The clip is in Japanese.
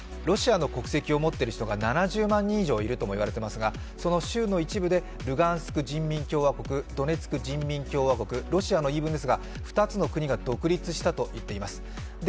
ロシアの国籍を持っている人が７０万人以上いると言われていますが、その州の一部でルガンスク人民共和国、ドネツク人民共和国、ロシアの言い分ですが、２つの国が独立したと言っています。